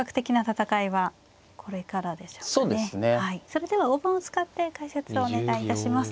それでは大盤を使って解説をお願いいたします。